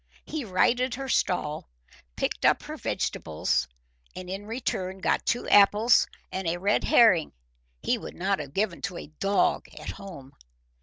He righted her stall, picked up her vegetables, and in return got two apples and a red herring he would not have given to a dog at home.